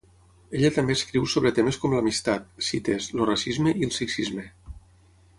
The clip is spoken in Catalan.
Ella també escriu sobre temes com l'amistat, cites, el racisme i el sexisme.